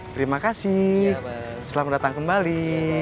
terima kasih selamat datang kembali